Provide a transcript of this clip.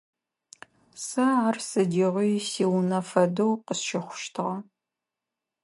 Сэ ар сыдигъуи сиунэ фэдэу къысщыхъущтыгъэ.